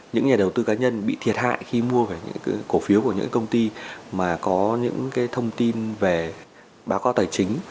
những nhà đầu tư cá nhân bị thiệt hại khi mua cổ phiếu của những công ty mà có những thông tin về báo cao tài chính